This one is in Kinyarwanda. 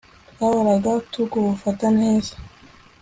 Twahoraga tugufata neza